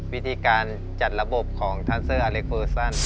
วิธีการจัดระบบของทันเซอร์อเล็กเวอร์ซัน